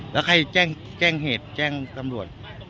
แล้วใครแจ้งเหตุแจ้งตำรวจ